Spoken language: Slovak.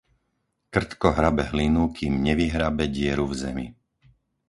Krtko hrabe hlinu, kým nevyhrabe dieru v zemi.